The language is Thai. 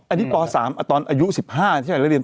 อันนี้ป๓ตอนอายุ๑๕ที่เราได้เรียน